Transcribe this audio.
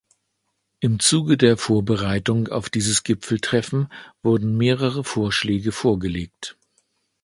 Im Zuge der Vorbereitung auf dieses Gipfeltreffen wurden mehrere Vorschläge vorgelegt.